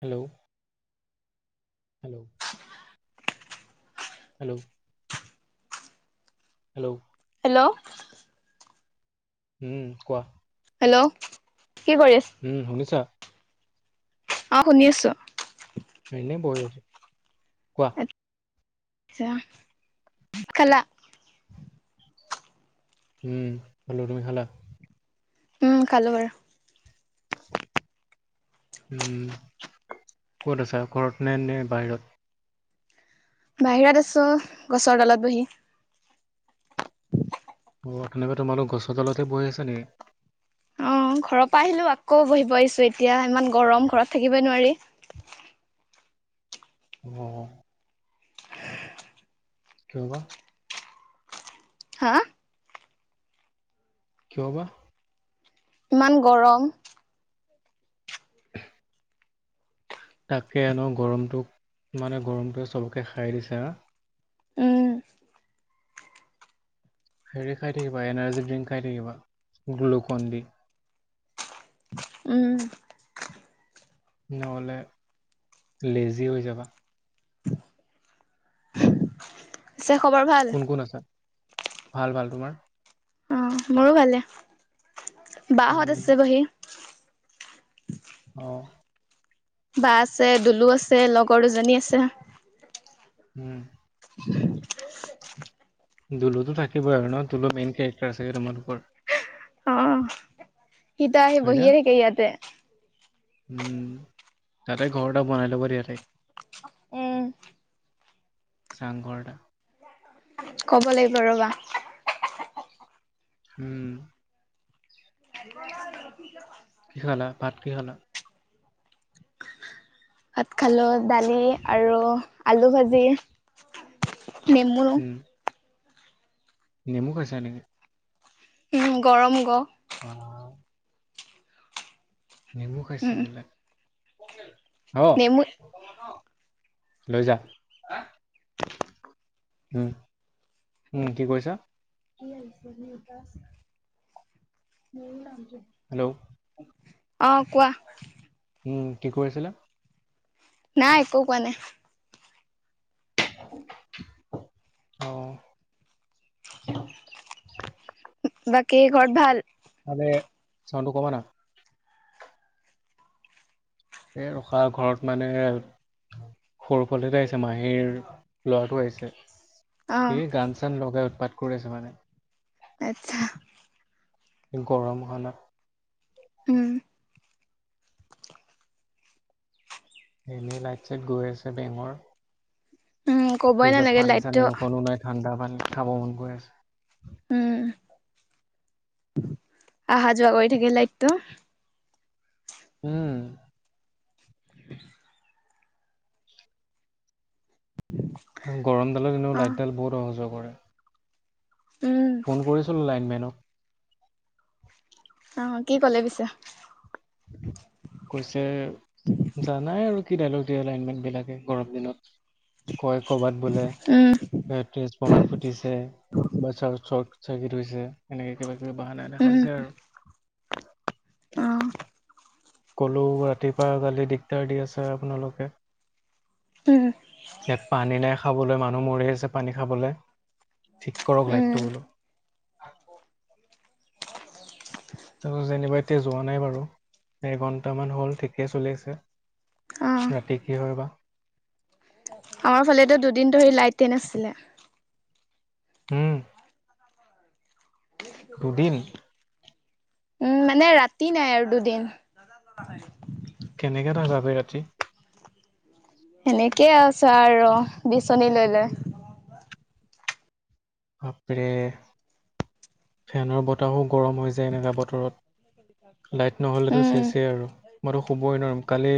Hello hello hello hello hello উম, কোৱা? Hello, কি কৰি আছে? উম, শুনিছা? অঁ, শুনি আছোঁ। এনেই, বহি আছো কোৱা? আচ্ছা খালা। উম, খালো তুমি খালা? উম, খালো বাৰু। উম, ক'ত আছা ঘৰত নে বাহিৰত? বাহিৰত আছো, গছৰ তলত বহি। অ, সেনেকে তোমালোক গছৰ তলত বহি আছে নেকি? অঁ, ঘৰৰ পৰা আহিলো আকৌ বহিব আহিছো এতিয়া ইমান গৰম ঘৰত থাকিবই নোৱাৰি। অঁ কিয় বা? হা কিয় বা? ইমান গৰম। [inaudible] তাকে ন গৰমটো, মানে গৰমটোৱে চবকে খাই দিছা। উম হেৰি খাই থাকিবা, এনাৰ্জি ড্ৰিংক খাই থাকিব গ্লুকন দি। উম। নহ'লে, লেজি হৈ যাবা। পিছে খবৰ ভাল। কোন কোন আছা? ভাল ভাল তোমাৰ? অঁ মোৰো ভালে, বা হত উম আছে বহি। অ বা আছে দুলু আছে লগৰ দুজনী আছে। উম। দুলোতো থাকিব আৰু ন দুলো মেইন কেৰেক্টাৰ চাগে তোমালোকৰ। সিটা আহি হয় না? বহিয়ে থাকে ইয়াতে। উম তাতে ঘৰ এটা বনাই ল'ব দিয়া তাইক। উম চাংঘৰ এটা। ক'ব লাগিব ৰ'বা। উম। [inaudible] কি খালা ভাত কি খালা। ভাত খালো দালি আৰু আলু ভাজি নেমু। উম, নেমু খাইকছা নে। উম গৰম গ। অ। নেমু খাইছে উম বোলে অ। নেমু লৈ যা। উম উম কি কৈছা। হেল্ল'। অ কোৱা। উম কি কৈ আছিলা। নাই একো কোৱা নাই। অ। বাকী ঘৰত ভাল। ভালে চাউণ্ড টো কমা না। এ ৰখা ঘৰত মানে। সৰু পোৱালিটো আহিছে মাহীৰ লৰাটো আহিছে। অ এই গান চান লগাই উৎপাত কৰি আছে মানে। আচ্ছা। গৰম হণত। উম। এনেই লাইট চাইট গৈ আছে বেঙৰ উম কবই ফ্ৰিজত নালাগে পানী লাইটটো চানী অকণো নাই। ঠাণ্ডা পানী খাব মন গৈ আছে। উম অহা যোৱা কৰি থাকে লাইটটো। উম। [unintelligible] গৰমডালত এনেও অ লাইটডাল বহুত অহাজোৱা কৰে। উম ফোন কৰিছিলোঁ লাইনমেনক। অ কি কলে বিছে। কৈছে। জ নাই আৰু কি দাইল দিয়ে লাইনমেণ্ট বিলাকে গৰম দিনত। কয় কৰ'বাত বোলে উম [inaudible] কমে ফুটিছে কিবা চ চৰ্ট চাৰ্কিট হৈছে সনেকে কিবা কিবি বাহানা উম দেখাইছে আৰু। অ ক'লো ৰাতিপুৱা কালি দিগদাৰ দি আছে আপোনালোকে। উম। ইয়াত পানী নাই খাবলৈ মানুহ মৰি আছে পানী খাবলে ঠিক কৰক উম লাইটটো বোলো। তাপা যেনিবা এতিয়া যোৱা নাই বাৰু। এঘণ্টামান হ'ল ঠিকে চলি আছে। অ ৰাতি কি হয় বা? আমাৰ ফালেতো দুদিন ধৰি লাইটে নাছিলে। উম্ ‌ দুদিন? উম মানে ৰাতি নাই আৰু দুদিন। কেনেকে থাকা বে ৰাতি? সেনেকেই আছো আৰু, বিচনী লৈ লৈ। বাপৰে! ফেনৰ বতাহো গৰম হৈ যায় এনেকা বতৰত। লাইট নহ'লেতো উম চেছেই আৰু, মইতো শুবই নোৱাৰিম- কালি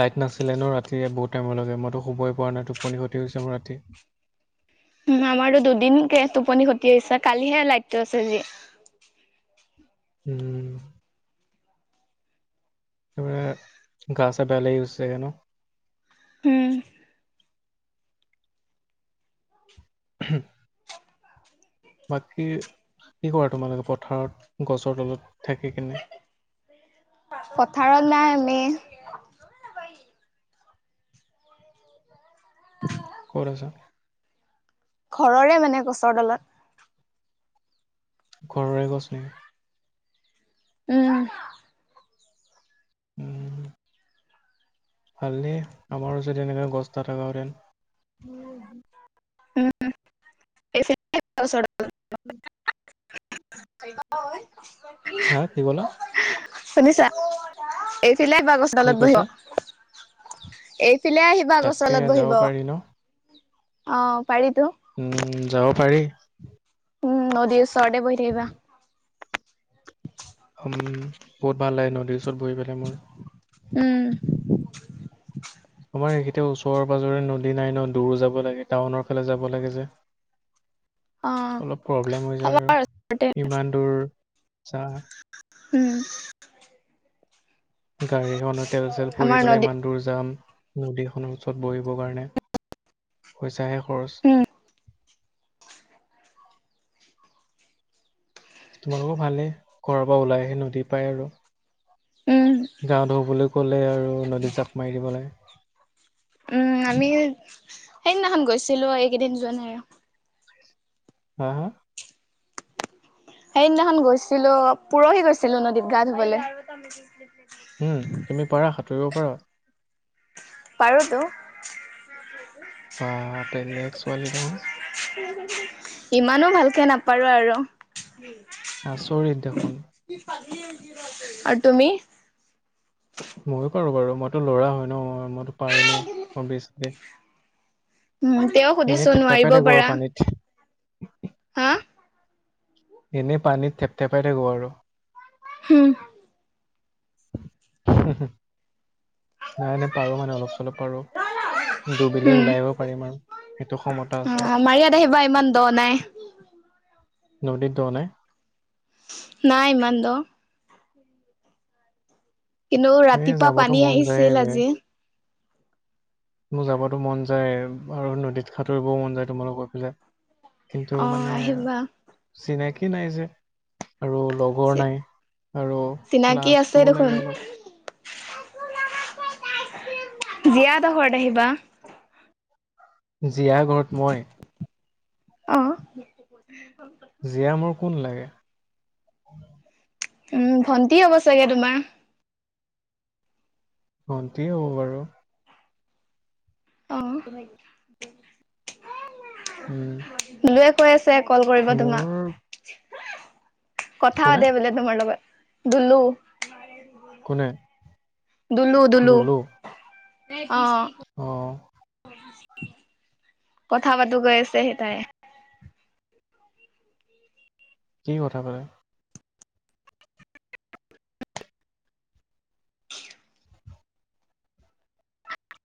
লাইট নাছিলে ন ৰাতিৰ বহুত টাইম' লৈকে- মইতো শুবই পৰা নাই টোপনি খতি হৈছে মোৰ ৰাতি। উ আমাৰতো দুদিনকে টোপনি খতি হৈছে কালিহে লাইটটো আছে যি। উম্ একেবোৰ, গা-চা বেয়া লাগি গচেগে ন? উম্। [unintelligible] [unintelligible] বাকী, কি কৰা তোমালোকে পথাৰত গছৰ তলত থাকি কিনে? পথাৰত নাই আমি। [unintelligible] ক'ত আছ? ঘৰৰে মানে গছৰ ডালত। ঘৰৰে গছ নি? উম্। উম্ ভাললে, আমাৰো যদি এনেকা গছ'টা থকা হেতেন! উম উম [unintelligible] ও [inaudible] [unintelligible] হা- কি ক'লা? শুনিছা? এইফালে আহিবা গছৰ কি তলত কৈছা বহিব। এইফালে আহিবা তাকে গছ লত যাব বহিব। পাৰি ন অ' পাৰিতো। উম্ যাব পাৰি। উম্ নদীৰ ওচৰতে বহি থাকিবা। উম্, বহুত ভাল লাগে নদীৰ ওচৰত বহিবলে মোৰ। উম্। আমাৰ সেইটো ওচৰ-পাজৰে নদী নাই ন' দূৰ যাব লাগে, টাউনৰ ফালে যাব লাগে যে। অ অলপ প্ৰব্লেম হৈ যায় আৰু, আমাৰ ওচৰতে ইমান দূৰ- যা। উম্। গাড়ীখনৰ তেল-চেল পুৰি আমাৰ পেলাই নদী ইমান দূৰ যাম- নদীখনৰ ওচৰত বহিবৰ কাৰণে, পইচাহে খৰচ। উম তোমালোকৰ ভালেই, ঘৰৰ পৰা ওলাই আহি নদী পায় আৰু। উম্। গা ধূও বুলি ক'লেই আৰু নদীত জাপ মাৰি দিব লাগে। উ আমি সেইদিনাখন গৈছিলোঁ, এইকেইদিন যোৱা নাই আৰু। হা সেইদিনাখন গৈছিলোঁ, পোৰহি গৈছিলোঁ নদীত গা ধুবলৈ। [unintelligible] উম। তুমি পাৰা, সাঁতুৰিব পাৰা? পাৰোঁ টো। বা বেলেগ ছোৱালী দেখোন। ইমানো ভালকে নাপাৰো আৰু। [inaudible] আচৰিত দেখোন। আৰু তুমি? ময়ো পাৰো বাৰু। মইতো ল'ৰা হয় ন', মইতো পাৰিমেই অবিএচলি। উম, তেওঁ সুধিছো থেপথেপাই নোৱাৰিব থাকো আৰু পাৰা। পানীত হা এনেই পানীত থেপ-থেপাই থাকো আৰু। হুম। [unintelligible] নাই এনেই পাৰো মানে অলপ চলপ পাৰো। ডুবিলে উম, ওলাই আহিব পাৰিম আৰু, সেইটো ক্ষমতা অ, আছে। আমাৰ ইয়াত আহিবা ইমান দ নাই নদীত দ নাই? নাই ইমান দ। কিন্তু এই ৰাতিপুৱা যাবতো পানী মন যায় আহিছিল বে। আজি। মোৰ যাবাতো মন যায়ে আৰু নদীত সাঁতুৰিবও মন যায় তোমালোকৰ ফালে। কিন্তু অ, মানে আহিবা চিনাকি নাই যে আৰু লগ গৰ নাই আৰু লাজটোও লাগে অলপ। জীয়া হঁতৰ ঘৰত আহিবা। জীয়াৰ ঘৰত মই? অ'। জীয়া মোৰ কোন লাগে? উম। ভণ্টি হ'ব চাগে তোমাৰ। ভণ্টিয়ে হ'ব বাৰু। অ'। উম গুলুৱে কৈ আছে কল কৰিব মোৰ তোমাক। কথা কোনে পাতে বোলে তোমাৰ লগত, গুলো। কোনে? দুলু দুলু। অ'। অ। কথা পাতোঁ গৈ আছে সেই তাই। কি কথা কয়?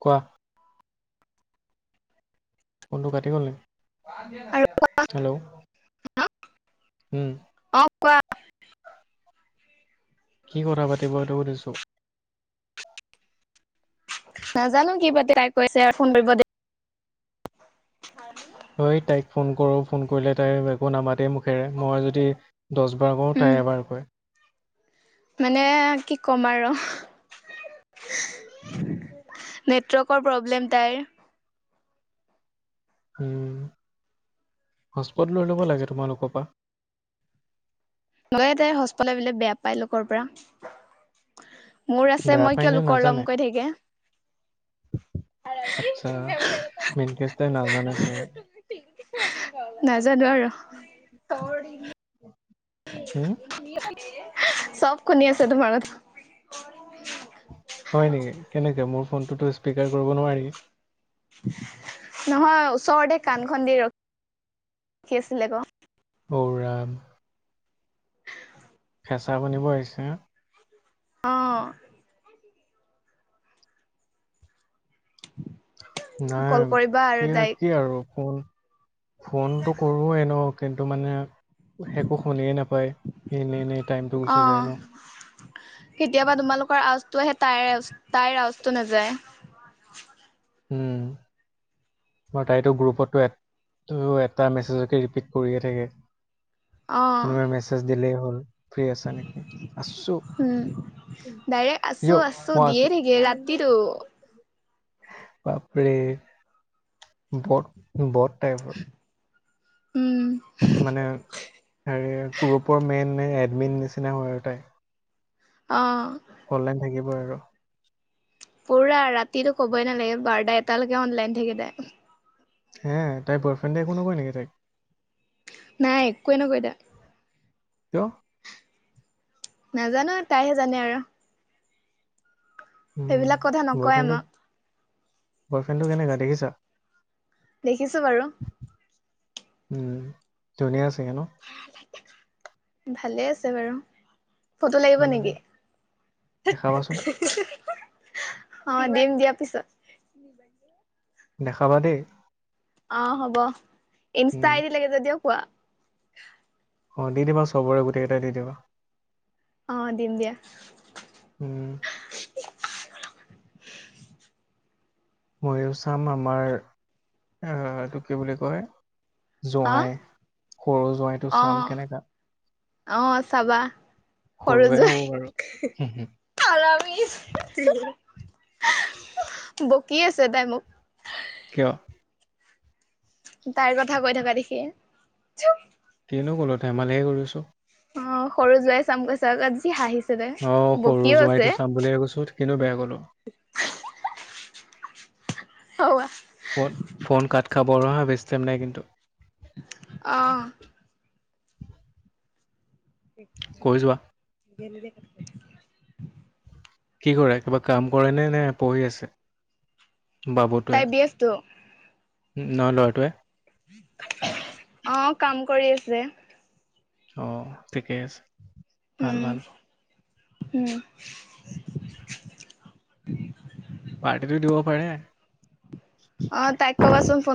কোৱা। ফোনটো কাতি গ'ল নেকি? আৰু হেল্ল'। উম। অ' কোৱা। কি কথা পাতিব এইটো সুধিছোঁ। নাজানো কি পাতে। তাই কৈছে- ফোন কৰিব দে। [unintelligible] মই তাইক ফোন কৰোঁ ফোন কৰিলে তাই একো নামাতেই মুখেৰে মই যদি দহ বাৰ কও উম, তাই এবাৰ কয় মানে কি ক'ম আৰু নেটৱৰ্কৰ প্ৰব্লেম তাইৰ উম হটস্পট লৈ ল'ব লাগে তোমালোকৰ পা নলই তাই হটস্পট লবলে পেলাই বেয়া পায় লোকৰ পৰা মোৰ আছে বেয়া মই পায় কিয় নে লোকৰ লম নাজানে কৈ থাকে আচ্ছা মেনকেচটোৱে নাজানে ছাগে নাজানো আৰু উম চব শুনি আছে তোমাৰ কথা হয় নেকি কেনেকে মোৰ ফোনটোতো স্পীকাৰ কৰিব নোৱাৰি নহয় ওচৰতে কাণ খন দি ৰখি আছিলে ক। ও ৰাম ফেঁচা বনিব আহিছে অ নাই কল কৰিবা আৰু কি তাইক। কি আৰু ফোন ফোনটো কৰোৱে ন কিন্তু মানে একো শুনিয়ে নাপায় এনেই এনেই টাইমটো গুচি যায় অ', ন কেতিয়াবা তোমালোকৰ আৱাজটো আহে তাইৰ আ তাইৰ আৱাজটো নাযায় উম তাইতো গ্ৰুপতটো এটা মেছেজকে ৰিপিট কৰিয়ে থাকে অ', কোনোবাই মেছেজ দিলেই হ'ল ফ্ৰী আছা নেকি আছো উম, ডাইৰেক্ট আছো ইয় মই দিয়ে আছো থাকে ৰাতিটো। বাপৰে বত বত টাইপ উম মানে হেৰি গ্ৰুপৰ মেইন নে এডমিন নিচিনা হয় আৰু তাই অ অনলাইন থাকিব আৰু পুৰা ৰাতিটো ক'বই নালাগে বাৰটা এটালৈকে অনলাইন থাকিল তাই হে তাই বয়ফ্ৰেণ্ডে একো নকয় নেকি তাইক নাই একোৱে নকয় এতিয়া কিয় নাজানো তাইহে জানে আৰু উম সেইবিলাক কথা নকয় বয়ফ্ৰেণ্ডটো আমাক বয়ফ্ৰেণ্ডটো কেনেকুৱা দেখিছা দেখিছো বাৰু উম ধুনীয়া চাগে ন ভালে আছে বাৰু ফটো লাগিব উম, নেকি দেখাবাচোন অ দিম দিয়া পিছত দেখাবা দেই অ হ'ব ইনষ্টা উম আইডি লাগে যদিও কোৱা অ দি দিবা চবৰে গোটেই কেইটা দি দিবা অ দিম দিয়া উম ময়ো চাম আমাৰ এইটো কি বুলি কয় হা জোঁৱাই সৰু জোঁৱাইটো চাম কেনেকা অহ চাবা সৰু সৰুৱে হ'ব বাৰু জোঁৱাইক হুম হুম হাৰামিছ্ বকি আছে তাই মোক কিয় তাইৰ কথা কৈ থকা দেখিয়ে চুপ কিনো ক'লোঁ ধেমালিহে কৰিছোঁ অ সৰু জোৱাই চাম কৈছা যে যি হাঁহিছ অ সৰু জোৱাই টো চাম বুলিয়ে কৈছো কিনো বেয়া কলো সৌৱা ফ'ন ফ'ন কাত খাব আৰু হা বেছি টাইম নাই কিন্তু অহ কৈ যোৱা [unintelligible] কি কৰে কিবা কাম কৰে নে নে পঢ়ি আছে বাবুটোৱে তাই বি এফ টো ন লৰাটোৱে অ কাম কৰি আছে অ ঠিকে আছে ভাল উম ভাল উম পাৰ্টিটো দিব পাৰে অ তাইক কবাচোন ফোন